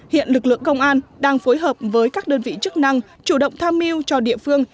hiện lực lượng công an đang phối hợp với các đơn vị chức năng chủ động tham mưu cho địa phương